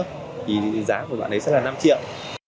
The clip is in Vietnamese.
thì giá của bạn ấy sẽ là năm triệu